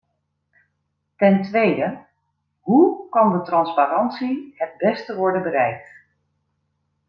Ten tweede: hoe kan de transparantie het beste worden bereikt?